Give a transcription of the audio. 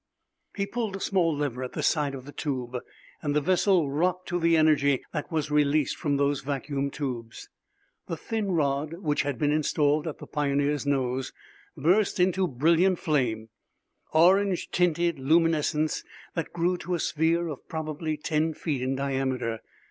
He pulled a small lever at the side of the tube and the vessel rocked to the energy that was released from those vacuum tubes. The thin rod which had been installed at the Pioneer's nose burst into brilliant flame orange tinted luminescence that grew to a sphere of probably ten feet in diameter.